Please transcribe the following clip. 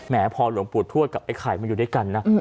พอหลวงปู่ทวดกับไอ้ไข่มาอยู่ด้วยกันนะ